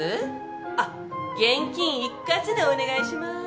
あっ現金一括でお願いします。